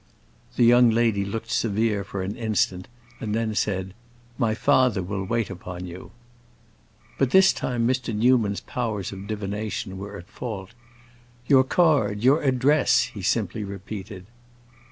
The young lady looked severe for an instant, and then said, "My father will wait upon you." But this time Mr. Newman's powers of divination were at fault. "Your card, your address," he simply repeated.